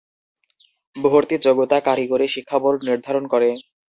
ভর্তি যোগ্যতা কারিগরি শিক্ষা বোর্ড নির্ধারণ করে।